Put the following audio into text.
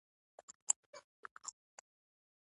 دغه اصلاحات تر انفلاسیون وروسته رامنځته شول.